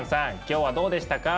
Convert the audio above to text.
今日はどうでしたか？